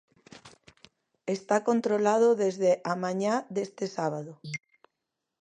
Está controlado desde a mañá deste sábado.